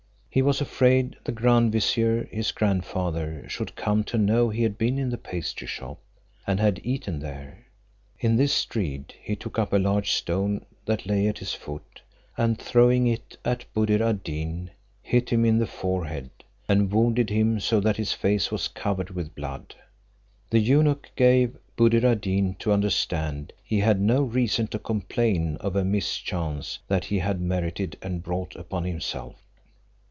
He was afraid the grand vizier his grandfather should come to know he had been in the pastry shop, and had eaten there. In this dread, he took up a large stone that lay at his foot and throwing it at Buddir ad Deen, hit him in the forehead, and wounded him so that his face was covered with blood. The eunuch gave Buddir ad Deen to understand, he had no reason to complain of a mischance that he had merited and brought upon himself.